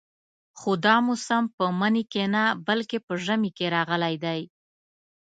خو دا موسم په مني کې نه بلکې په ژمي کې راغلی دی.